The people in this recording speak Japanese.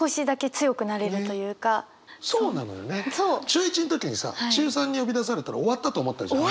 中１の時にさ中３に呼び出されたら終わったと思ったじゃん。